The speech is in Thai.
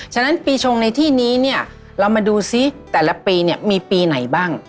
ฉะนั้นปีชงในที่นี้เนี่ยเรามาดูซิแต่ละปีเนี่ยมีปีไหนบ้าง